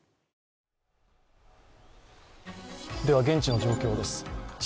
現地の状況です。